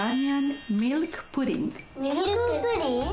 ミルクプリン？